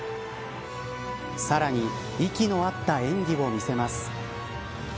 さらに息の合った演技を見せます。